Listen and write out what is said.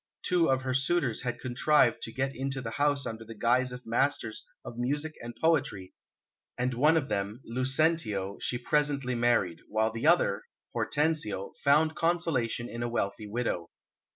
Two of her suitors had contrived to get into the house under the guise of masters of music and poetry, and one of them Lucentio she presently married, while the other Hortensio found consolation in a wealthy widow.